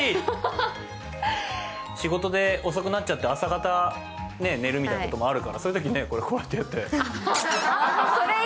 仕事が遅くなっちゃって朝方寝るっていうときもあるからそういうとき、こうやってやって。